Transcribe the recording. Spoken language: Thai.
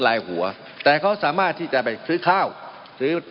มันมีมาต่อเนื่องมีเหตุการณ์ที่ไม่เคยเกิดขึ้น